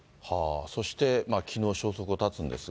そしてきのう消息を絶つんですが。